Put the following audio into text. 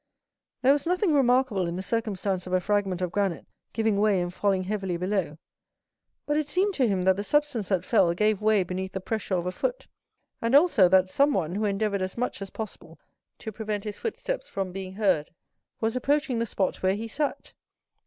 There was nothing remarkable in the circumstance of a fragment of granite giving way and falling heavily below; but it seemed to him that the substance that fell gave way beneath the pressure of a foot, and also that someone, who endeavored as much as possible to prevent his footsteps from being heard, was approaching the spot where he sat.